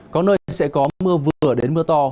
có nơi sẽ có mưa vừa đến mưa to